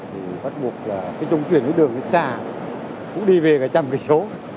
thì bắt buộc là cái chung chuyển cái đường cái xa cũng đi về cả trăm kỳ số